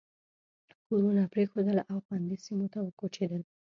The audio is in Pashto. کورونه پرېښودل او خوندي سیمو ته وکوچېدل.